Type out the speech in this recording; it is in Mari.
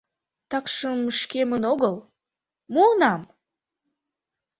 — Такшым шкемын огыл — муынам.